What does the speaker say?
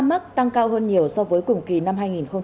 ca mắc tăng cao hơn nhiều so với cùng kỳ năm hai nghìn một mươi tám